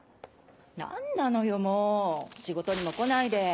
何なのよもう仕事にも来ないで。